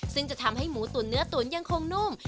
ซึ่งจะทำให้หมูตุ๋นเนื้อตุ๋นยังคงนุ่ม